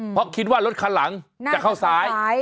เพราะคิดว่ารถคันหลังจะเข้าซ้าย